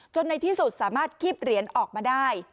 ในที่สุดสามารถคีบเหรียญออกมาได้